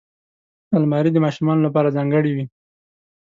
الماري د ماشومانو لپاره ځانګړې وي